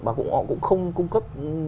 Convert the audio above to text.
mà họ cũng không cung cấp các thông tin